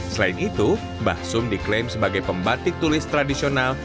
selain itu mbah sum diklaim sebagai pembatik tulis tradisional